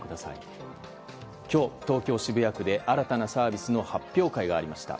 今日、東京・渋谷区で新たなサービスの発表会がありました。